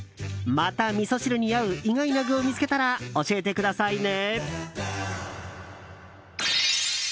またみそ汁に合う意外な具を見つけたら教えてくださいね！